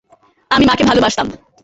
আমি মাকে ভালোবাসতাম।